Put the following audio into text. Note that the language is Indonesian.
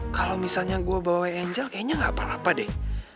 kalau misalnya gua bawa anjel kayaknya nggak apa apa deh